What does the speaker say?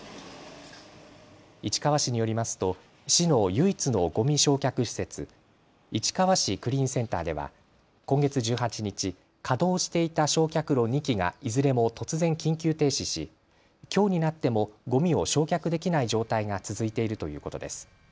市川市によりますと市の唯一のごみ焼却施設、市川市クリーンセンターでは今月１８日、稼働していた焼却炉２基がいずれも突然、緊急停止しきょうになってもごみを焼却できない状態が続いているということです。